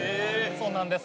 そうなんです。